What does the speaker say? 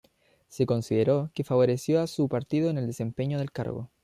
Se consideró que favoreció a su partido en el desempeño del cargo.